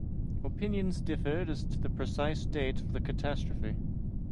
Opinions differed as to the precise date of the catastrophe.